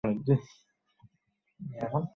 কার্বনের সাথে এর খুব মিল।